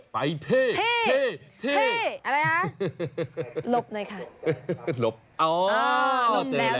ไปที่ที่ที่ลบนะค่ะ